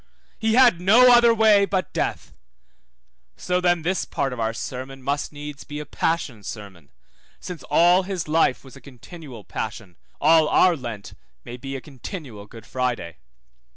he had no other way but death: so then this part of our sermon must needs be a passion sermon, since all his life was a continual passion, all our Lent may well be a continual Good Friday.